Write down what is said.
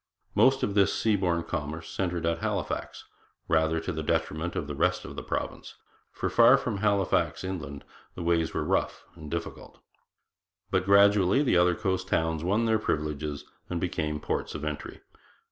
Most of this sea borne commerce centred at Halifax, rather to the detriment of the rest of the province, for from Halifax inland the ways were rough and difficult. But gradually the other coast towns won their privileges and became ports of entry.